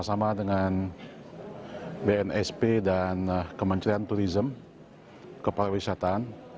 bersama dengan bnsp dan kementerian turisme keparwisataan